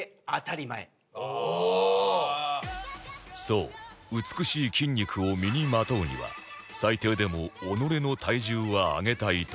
そう美しい筋肉を身にまとうには最低でも己の体重は上げたいところ